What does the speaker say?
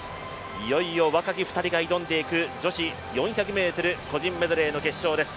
いよいよ若き２人が挑んでいく女子４００ｍ個人メドレーの決勝です。